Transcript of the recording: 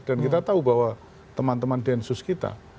dan kita tahu bahwa teman teman densus kita